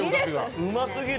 うますぎる。